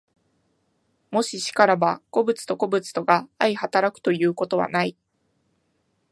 もし然らば、個物と個物とが相働くということはない。